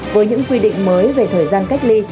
với những quy định mới về thời gian cách ly